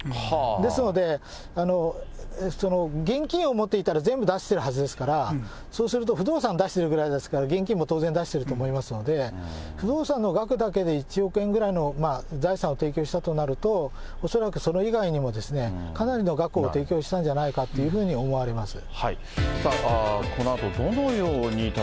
ですので、現金を持っていたら全部出してるはずですから、そうすると不動産出してるぐらいですから、現金も当然出していると思いますので、不動産の額だけで１億円ぐらいの財産を提供したとなると、恐らくそれ以外にも、かなりの額を提供したんじゃないかというふうに思われます。